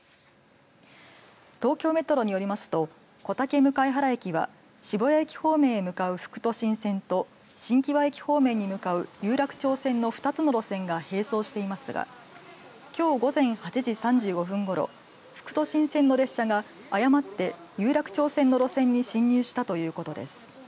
東京メトロによりますと小竹向原駅は渋谷駅方面へ向かう副都心線と新木場駅方面に向かう有楽町線の２つの路線が併走していますがきょう午前８時３５分ごろ副都心線の列車が誤って有楽町線の路線に進入したということです。